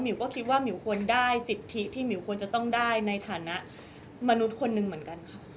ก็คิดว่าหมิวควรได้สิทธิที่หมิวควรจะต้องได้ในฐานะมนุษย์คนหนึ่งเหมือนกันค่ะ